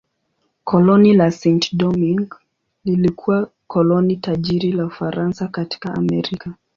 Koloni la Saint-Domingue lilikuwa koloni tajiri la Ufaransa katika Amerika.